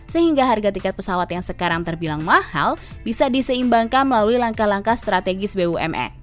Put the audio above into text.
sehingga harga tiket pesawat yang sekarang terbilang mahal bisa diseimbangkan melalui langkah langkah strategis bumn